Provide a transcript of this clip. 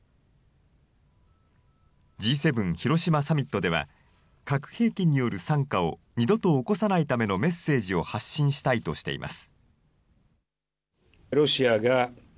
Ｇ７広島サミットでは、核兵器による惨禍を二度と起こさないためのメッセージを発信したいとしています。